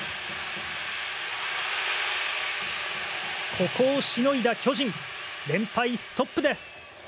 ここをしのいだ巨人連敗ストップです。